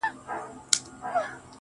ما څوځلي د لاس په زور کي يار مات کړی دی.